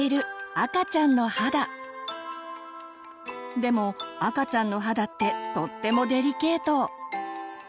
でも赤ちゃんの肌ってとってもデリケート。